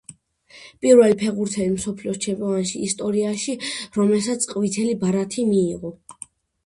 პირველი ფეხბურთელი მსოფლიოს ჩემპიონატების ისტორიაში, რომელმაც ყვითელი ბარათი მიიღო.